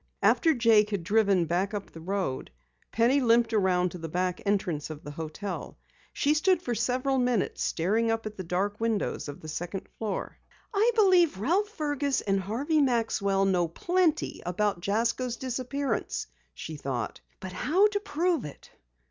After Jake had driven back up the road, Penny limped around to the back entrance of the hotel. She stood for several minutes staring up at the dark windows of the second floor. "I believe Ralph Fergus and Harvey Maxwell know plenty about Jasko's disappearance," she thought. "But how to prove it?"